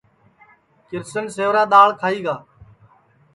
کرشن سیورا دؔاݪ کھائی گا